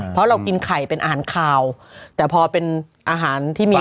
เพราะเรากินไข่เป็นอาหารขาวแต่พอเป็นอาหารที่มี